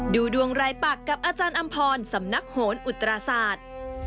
ดูดวงรายปักกับอาจารย์อำพรสำนักโหนอุตราศาสตร์